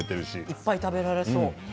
いっぱい食べられそう。